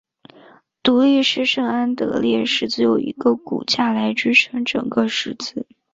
独立式圣安得烈十字有一个骨架来支撑整个十字。